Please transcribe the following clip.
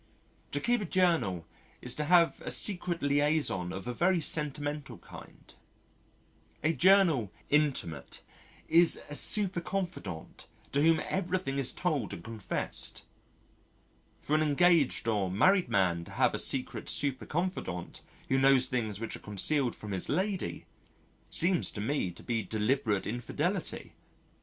To keep a journal is to have a secret liaison of a very sentimental kind. A journal intime is a super confidante to whom everything is told and confessed. For an engaged or married man to have a secret super confidante who knows things which are concealed from his lady seems to me to be deliberate infidelity.